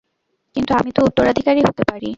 কিন্তু আমি তো উত্তরাধিকারী হতে পারি।